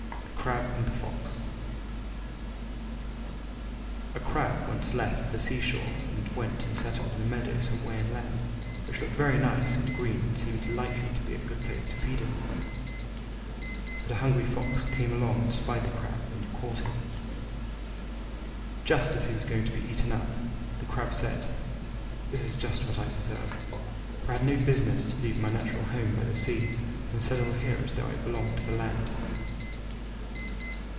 THE CRAB AND THE FOX A Crab once left the sea shore and went and settled in a meadow some way inland, which looked very nice and green and seemed likely to be a good place to feed in. But a hungry Fox came along and spied the Crab and caught him. Just as he was going to be eaten up, the Crab said, "This is just what I deserve; for I had no business to leave my natural home by the sea and settle here as though I belonged to the land."